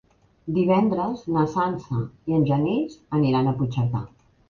Divendres na Sança i en Genís aniran a Puigcerdà.